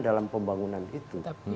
dalam pembangunan itu